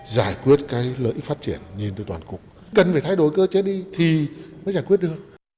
giải quyết cái lợi ích phát triển nhìn từ toàn cục cần phải thay đổi cơ chế đi thì mới giải quyết được